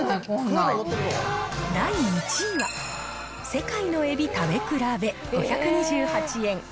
第１位は、世界の海老食べ比べ５２８円。